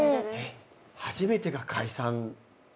初めてが解散なの？